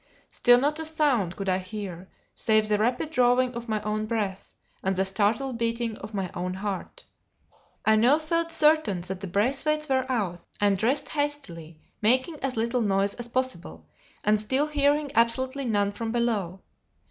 Still not a sound could I hear, save the rapid drawing of my own breath, and the startled beating of my own heart. I now felt certain that the Braithwaites were out, and dressed hastily, making as little noise as possible, and still hearing absolutely none from below.